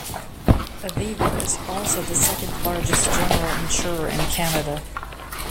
Aviva is also the second largest general insurer in Canada.